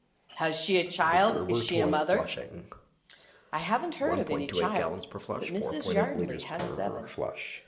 "Has she a child? Is she a mother?" "I haven't heard of any child, but Mrs. Yardley has seven."